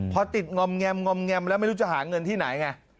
พอติดงอมแงมแล้วไม่รู้จะหาเงินที่ไหนไง